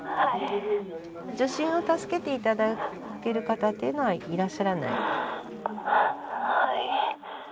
受診を助けて頂ける方っていうのはいらっしゃらない？